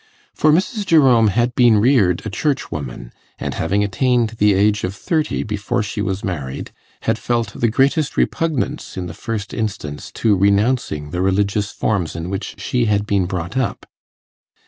For Mrs. Jerome had been reared a Churchwoman, and having attained the age of thirty before she was married, had felt the greatest repugnance in the first instance to renouncing the religious forms in which she had been brought up.